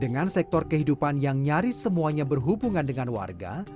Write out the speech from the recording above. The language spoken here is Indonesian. dengan sektor kehidupan yang nyaris semuanya berhubungan dengan warga